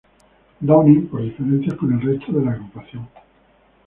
Downing, por diferencias con el resto de la agrupación.